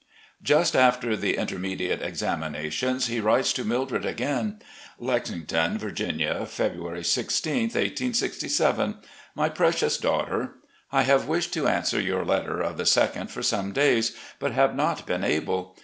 '* Just after the intermediate examinations, he writes to Mildred again: "Lexington, Virginia, February i6, 1867. " My Precious Daughter: I have wished to answer your letter of the 2d for some days, but have not been able.